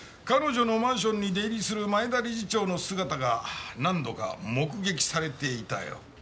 彼女のマンションに出入りする前田理事長の姿が何度か目撃されていたよ。